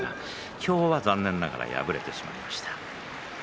今日は残念ながら敗れてしまいました。